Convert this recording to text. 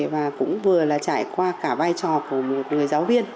và cũng vừa là trải qua cả vai trò của một người giáo viên